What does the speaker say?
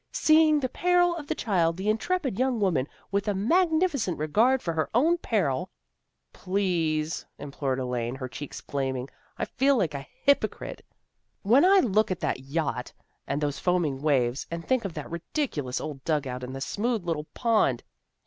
' Seeing the peril of the child, the intrepid young woman, with a mag nificent disregard for her own peril " Please," implored Elaine, her cheeks fla ming. " I feel like a hypocrite, when I look at 338 THE GIRLS OF FRIENDLY TERRACE that yacht and those foaming waves, and think of that ridicuous old dug out and the smooth little pond.